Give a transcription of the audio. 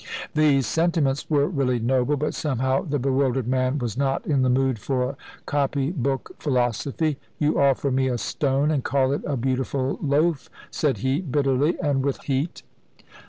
These sentiments were really noble, but somehow the bewildered man was not in the mood for copy book philosophy. "You offer me a stone and call it a beautiful loaf," said he, bitterly, and with heat.